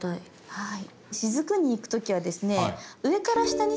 はい。